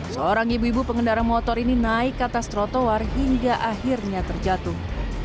seorang ibu ibu pengendara motor ini naik ke atas trotoar hingga akhirnya terjatuh